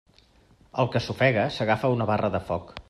El que s'ofega s'agafa en una barra de foc.